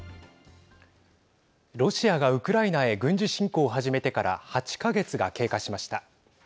ロシアがウクライナへ軍事侵攻を始めてから８か月が経過しました。